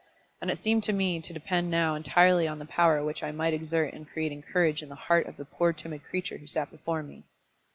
And it seemed to me to depend now entirely on the power which I might exert in creating courage in the heart of the poor timid creature who sat before me.